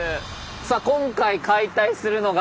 さあ今回解体するのが。